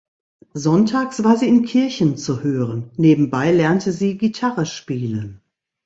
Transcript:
Sonntags war sie in Kirchen zu hören; nebenbei lernte sie Gitarre spielen.